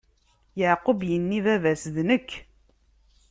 Yeɛqub inna i baba-s: D nekk!